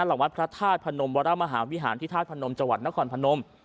หลังวัดพระธาตุพนมวรมหาวิหารที่ธาตุพนมจังหวัดนครพนม